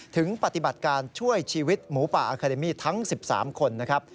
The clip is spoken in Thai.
ถึงปฏิบัติการช่วยชีวิตหมูป่าอาคาเดมี่ทั้ง๑๓คนนะครับ